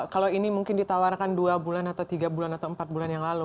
kalau ini mungkin ditawarkan dua bulan atau tiga bulan atau empat bulan yang lalu